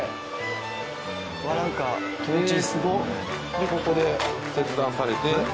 でここで切断されて。